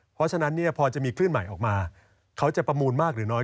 เพราะฉะนั้นพอจะมีคลื่นใหม่ออกมาเขาจะประมูลมากหรือน้อย